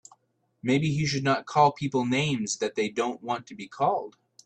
Maybe he should not call people names that they don't want to be called.